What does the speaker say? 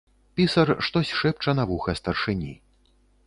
Пісар штось шэпча на вуха старшыні.